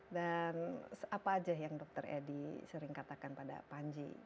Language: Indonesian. dan apa aja yang dokter edi sering katakan pada panji